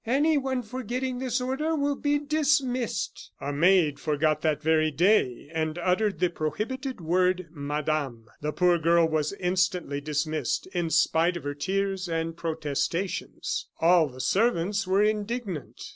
"Anyone forgetting this order will be dismissed." A maid forgot that very day, and uttered the prohibited word, "madame." The poor girl was instantly dismissed, in spite of her tears and protestations. All the servants were indignant.